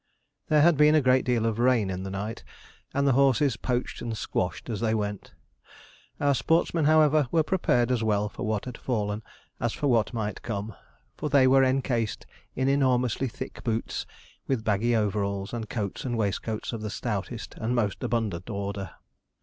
There had been a great deal of rain in the night, and the horses poached and squashed as they went. Our sportsmen, however, were prepared as well for what had fallen as for what might come; for they were encased in enormously thick boots, with baggy overalls, and coats and waistcoats of the stoutest and most abundant order.